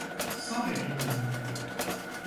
Sonraki bölümde…